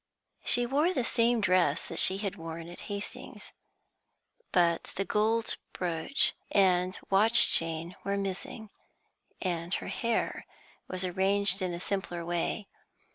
She wore the same dress that she had worn at Hastings, but the gold brooch and watch chain were missing, and her hair was arranged in a simpler way.